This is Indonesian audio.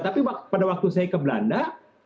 tapi pada waktu saya ke belanda